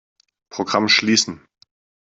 Programm schließen.